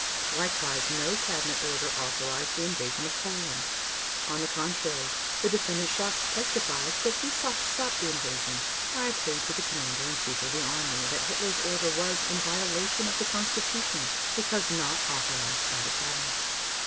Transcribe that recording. Likewise no cabinet order authorized the invasion of Poland. On the contrary, the Defendant Schacht testifies that he sought to stop the invasion by a plea to the Commander in Chief of the Army that Hitler's order was in violation of the Constitution because not authorized by the Cabinet.